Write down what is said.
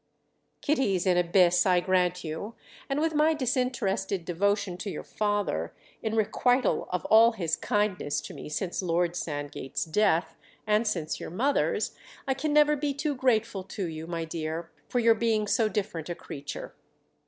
"Kitty's an abyss, I grant you, and with my disinterested devotion to your father—in requital of all his kindness to me since Lord Sandgate's death and since your mother's—I can never be too grateful to you, my dear, for your being so different a creature.